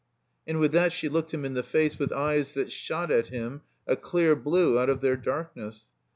And with that she looked him in the face with eyes that shot at him a clear blue out of their darkness.